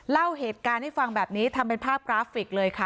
เล่าเหตุการณ์ให้ฟังแบบนี้ทำเป็นภาพกราฟิกเลยค่ะ